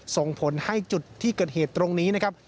ส่งผลให้จุดที่เกิดเหตุตรงนี้นะครับ